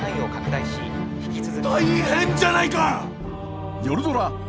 大変じゃないか。